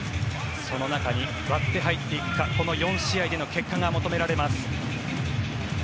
その中に割って入っていくかこの４試合での結果が求められます。